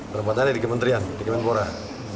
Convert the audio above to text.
penempatannya di kementerian di kementerian pemuda